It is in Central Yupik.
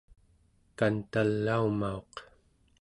kantalaumauq